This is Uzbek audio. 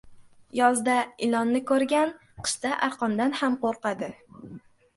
• Yozda ilonni ko‘rgan qishda arqondan ham qo‘rqadi.